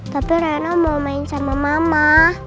tapi reno mau main sama mama